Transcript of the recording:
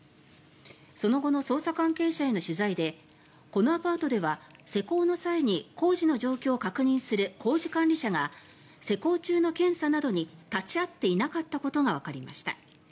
その後の捜査関係者への取材でこのアパートでは施工の際に工事の状況を確認する工事監理者が施工中の検査などに立ち会っていなかったことがわかりました。